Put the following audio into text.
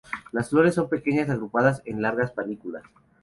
Las flores son pequeñas agrupadas en largas panículas.